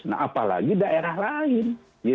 nah apalagi daerah lain